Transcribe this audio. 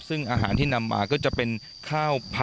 ข้ากำลังขึ้นค่ะ